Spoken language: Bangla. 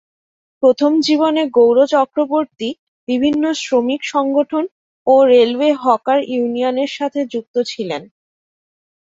প্রথম জীবনে গৌর চক্রবর্তী বিভিন্ন শ্রমিক সংগঠন ও রেলওয়ে হকার ইউনিয়নের সাথে যুক্ত ছিলেন।